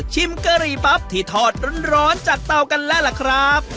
กะหรี่ปั๊บที่ทอดร้อนจากเตากันแล้วล่ะครับ